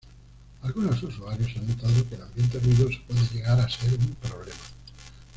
Algunos usuarios han notado que el ambiente ruidoso puede llegar a ser un problema.